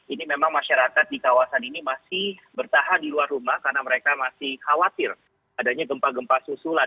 ini memang masyarakat di kawasan ini masih bertahan di luar rumah karena mereka masih khawatir adanya gempa gempa susulan